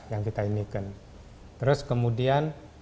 yang kita inikan terus kemudian